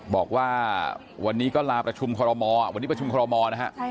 บอกว่าวันนี้ก็ลาประชุมคอรมอวันนี้ประชุมคอรมอลนะฮะ